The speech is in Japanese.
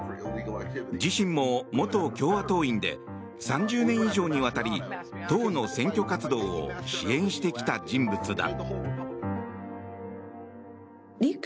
自身も元共和党員で３０年以上にわたり党の選挙活動を支援してきた人物だ。